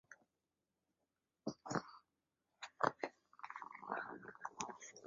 现在典藏于日本水户市的彰考馆德川博物馆。